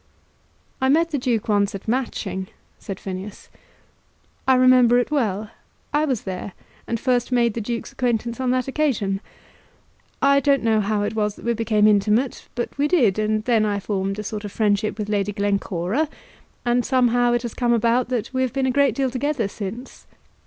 "I met the Duke once at Matching," said Phineas. "I remember it well. I was there, and first made the Duke's acquaintance on that occasion. I don't know how it was that we became intimate; but we did, and then I formed a sort of friendship with Lady Glencora; and somehow it has come about that we have been a great deal together since."